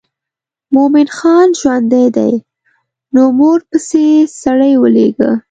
مومن خان ژوندی دی نو مور پسې سړی ولېږه.